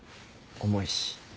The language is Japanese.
重いし。